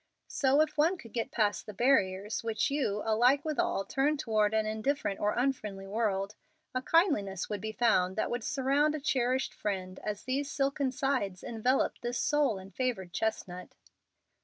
So if one could get past the barriers which you, alike with all, turn toward an indifferent or unfriendly world, a kindliness would be found that would surround a cherished friend as these silken sides envelop this sole and favored chestnut.